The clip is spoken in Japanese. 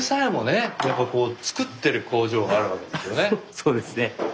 そうですね。